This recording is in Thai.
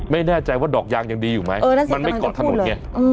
ไม่แน่ใจว่าดอกยางยังดีอยู่ไหมมันไม่เกาะถนนไง